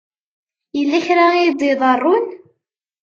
Yella kra i d-iḍerrun?